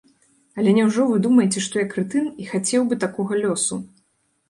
Але няўжо вы думаеце, што я крэтын і хацеў бы такога лёсу?